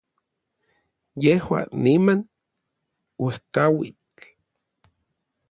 yejua, niman, uejkauitl